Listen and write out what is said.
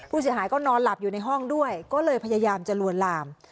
ผู้เสียหายก็นอนหลับอยู่ในห้องด้วยก็เลยพยายามจะลวนลาม